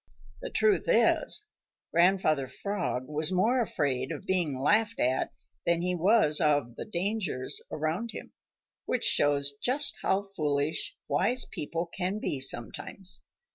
The truth is, Grandfather Frog was more afraid of being laughed at than he was of the dangers around him, which shows just how foolish wise people can be sometimes.